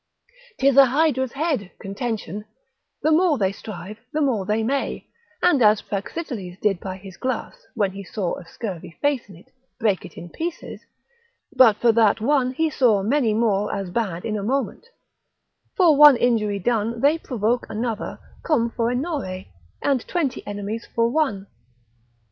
'Tis a hydra's head, contention; the more they strive, the more they may: and as Praxiteles did by his glass, when he saw a scurvy face in it, brake it in pieces: but for that one he saw many more as bad in a moment: for one injury done they provoke another cum foenore, and twenty enemies for one.